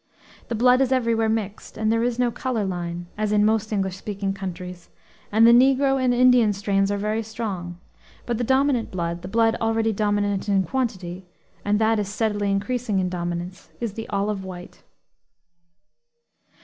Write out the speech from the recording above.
The blood is everywhere mixed; there is no color line, as in most English speaking countries, and the negro and Indian strains are very strong; but the dominant blood, the blood already dominant in quantity, and that is steadily increasing its dominance, is the olive white.